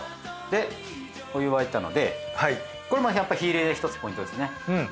でお湯沸いたのでこれやっぱり火入れで一つポイントですね。